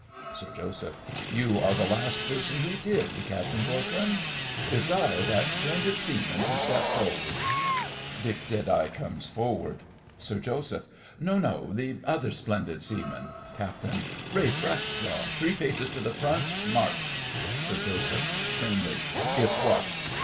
SIR JOSEPH. You are the last person who did, Captain Corcoran. Desire that splendid seaman to step forward. (DICK comes forward) SIR JOSEPH. No, no, the other splendid seaman. CAPT. Ralph Rackstraw, three paces to the front—march! SIR JOSEPH (sternly). If what?